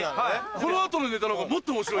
この後のネタの方がもっと面白い。